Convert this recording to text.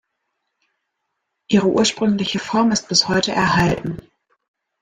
Ihre ursprüngliche Form ist bis heute erhalten.